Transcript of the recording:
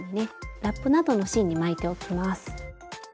ラップなどの芯に巻いておきます。